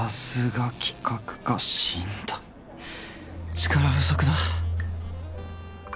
力不足だ。